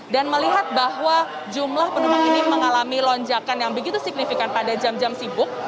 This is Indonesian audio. dan melihat bahwa jumlah penumpang ini mengalami lonjakan yang begitu signifikan pada jam jam sibuk